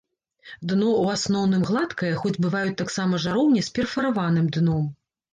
Дно ў асноўным гладкае, хоць бываюць таксама жароўні з перфараваным дном.